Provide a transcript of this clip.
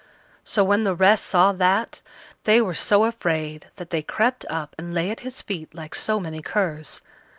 So when the rest saw that, they were so afraid that they crept up and lay at his feet like so many curs.